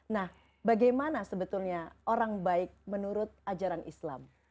nah bagaimana sebetulnya orang baik menurut ajaran islam